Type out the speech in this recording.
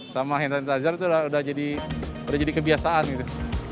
sama hand sanitizer itu udah jadi kebiasaan gitu